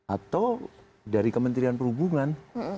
atau dari kementerian perhubungan